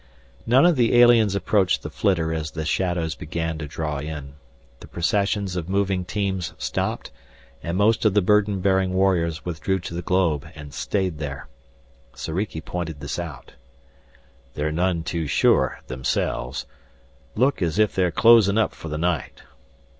None of the aliens approached the flitter as the shadows began to draw in. The procession of moving teams stopped, and most of the burden bearing warriors withdrew to the globe and stayed there. Soriki pointed this out. "They're none too sure, themselves. Look as if they are closing up for the night."